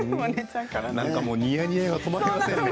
なんかもう、ニヤニヤが止まりませんね。